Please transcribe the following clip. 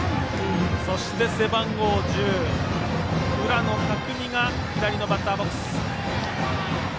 そして背番号１０浦野拓実が左のバッターボックス。